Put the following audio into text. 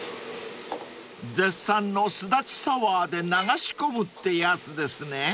［絶賛のすだちサワーで流し込むってやつですね］